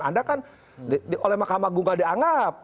anda kan oleh mahkamah gungkang dianggap